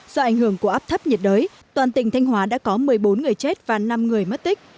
do ảnh hưởng của áp thấp nhiệt đới toàn tỉnh thanh hóa đã có một mươi bốn người chết và năm người mất tích